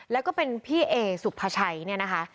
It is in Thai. แล้วก็เป็นพี่เอสุภาชัยเนี่ยนะคะ